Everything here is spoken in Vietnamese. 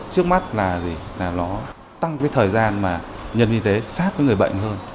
trước mắt là nó tăng thời gian mà nhân viên tế sát với người bệnh hơn